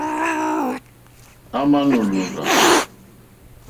À mà nò rzòrzá.